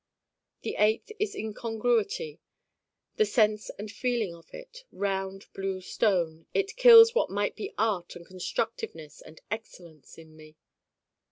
the eighth is Incongruity, the sense and feeling of it, round blue stone it kills what might be art and constructiveness and excellence in me.